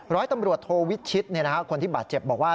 ร้อยตำรวจโทวิชิตคนที่บาดเจ็บบอกว่า